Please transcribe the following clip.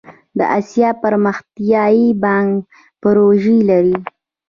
د اسیا پرمختیایی بانک پروژې لري